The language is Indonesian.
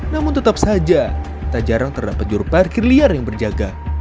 namun tetap saja tak jarang terdapat juru parkir liar yang berjaga